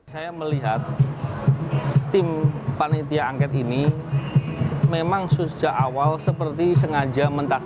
saya melihat tim panitia angket ini memang sejak awal seperti sengaja mentah